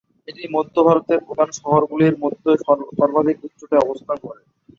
এটি মধ্য ভারতের প্রধান শহরগুলির মধ্যে সর্বাধিক উচ্চতায় অবস্থান করে।